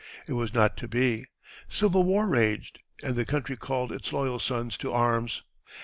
It was not to be. Civil war raged, and the country called its loyal sons to arms.